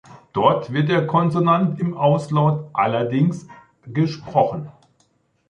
Dort wird der Konsonant im Auslaut allerdings gesprochen.